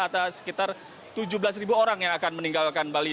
atau sekitar tujuh belas orang yang akan meninggalkan bali